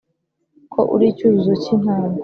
ko uri icyuzuzo cy’intango